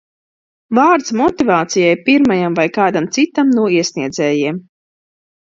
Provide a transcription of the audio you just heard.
Vārds motivācijai pirmajam vai kādam citam no iesniedzējiem.